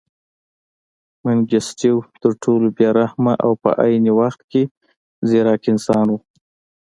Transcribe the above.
منګیسټیو تر ټولو بې رحمه او په عین وخت کې ځیرک انسان و.